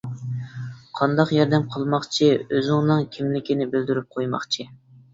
-قانداق ياردەم قىلماقچى؟ -ئۆزۈڭنىڭ كىملىكىڭنى بىلدۈرۈپ قويماقچى.